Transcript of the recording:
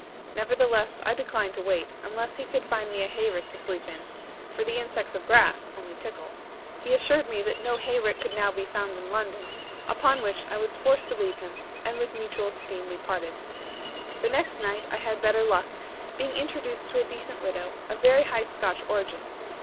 Nevertheless, I declined to wait, unless he could find me a hayrick to sleep in; for the insects of grass only tickle. He assured me that no hayrick could now be found in London; upon which I was forced to leave him, and with mutual esteem we parted. The next night I had better luck, being introduced to a decent widow, of very high Scotch origin.